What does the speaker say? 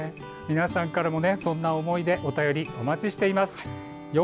皆さんからもそんな思い出、お便りをお待ちしています。